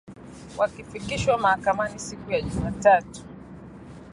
walifikishwa mahakamani siku ya Jumatatu